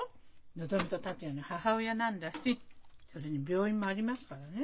のぞみと達也の母親なんだしそれに病院もありますからね。